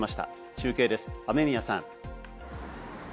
中継です、雨宮さん。